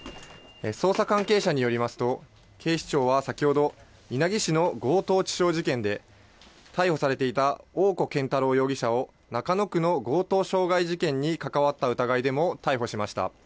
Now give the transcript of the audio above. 捜査関係者によりますと、警視庁は先ほど、稲城市の強盗致傷事件で、逮捕されていた大古健太郎容疑者を、中野区の強盗傷害事件に関わった疑いでも逮捕しました。